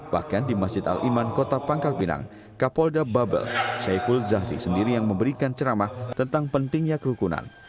bahkan di masjid al iman kota pangkal pinang kapolda babel saiful zahri sendiri yang memberikan ceramah tentang pentingnya kerukunan